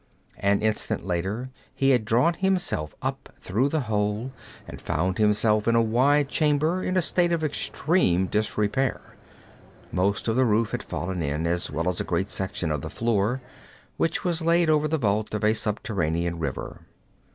An instant later he had drawn himself up through the hole, and found himself in a wide chamber, in a state of extreme disrepair. Most of the roof had fallen in, as well as a great section of the floor, which was laid over the vault of a subterranean river.